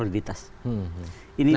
juga adalah soliditas